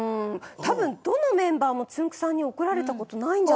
どのメンバーもつんく♂さんに怒られたことないんじゃないかと。